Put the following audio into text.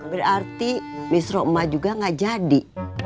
berarti misro emak juga gak jadi